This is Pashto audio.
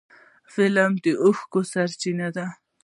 فلم د اوښکو سرچینه ده